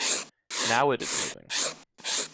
Now it is moving.